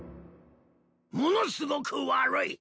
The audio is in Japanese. ものすごく悪い！